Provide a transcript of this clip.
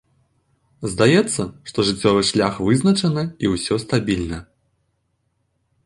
Здаецца, што жыццёвы шлях вызначаны і усё стабільна.